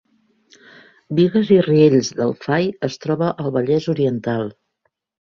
Bigues i Riells del Fai es troba al Vallès Oriental